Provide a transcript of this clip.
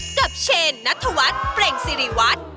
กับเชนนัทวัสเปรงสิริวัส